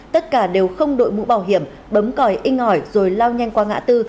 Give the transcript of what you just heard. tất cả đều không đội mũ bảo hiểm bấm còi inh ỏi rồi lao nhanh qua ngã tư